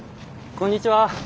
こんにちは。